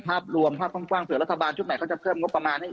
ภาพรวมภาพกว้างเผื่อรัฐบาลชุดใหม่เขาจะเพิ่มงบประมาณให้